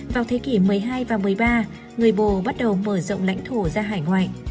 vào thế kỷ một mươi hai và một mươi ba người bồ bắt đầu mở rộng lãnh thổ ra hải ngoại